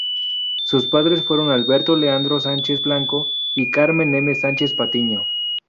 Sus padres fueron Alberto Leandro Sánchez Blanco y Carmen M. Sánchez Patiño.